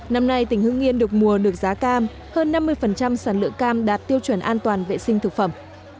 năm nay tỉnh hưng yên được mùa được giá cam hơn năm mươi sản lượng cam đạt tiêu chuẩn an toàn vệ sinh thực phẩm